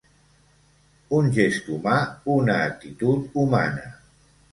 Un gest humà, una actitud humana.